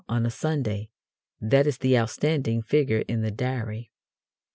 on a Sunday, that is the outstanding figure in the Diary.